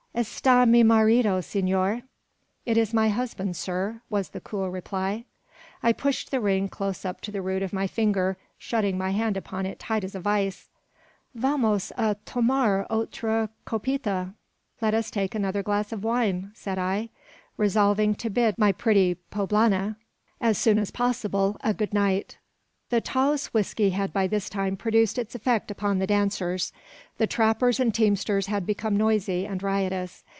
"Esta mi marido, senor," (It is my husband, sir), was the cool reply. I pushed the ring close up to the root of my finger, shutting my hand upon it tight as a vice. "Vamos a tomar otra copita!" (Let us take another glass of wine!) said I, resolving to bid my pretty poblana, as soon as possible, a good night. The Taos whisky had by this time produced its effect upon the dancers. The trappers and teamsters had become noisy and riotous.